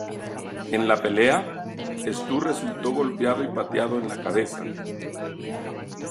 En la pelea, Stu resultó golpeado y pateado en la cabeza.